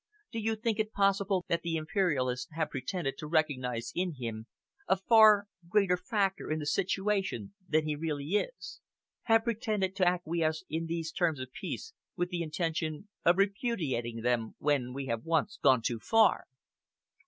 "Do you think it possible that the Imperialists have pretended to recognise in him a far greater factor in the situation than he really is? Have pretended to acquiesce in these terms of peace with the intention of repudiating them when we have once gone too far?"